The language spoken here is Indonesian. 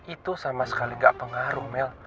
itu sama sekali gak pengaruh mel